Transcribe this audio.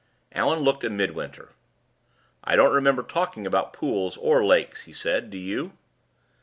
Allan looked at Midwinter. "I don't remember talking about pools or lakes," he said. "Do you?"